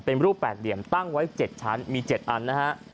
เป็นรูปแปดเหลี่ยมตั้งไว้๗ชั้นมี๗อันนะฮะ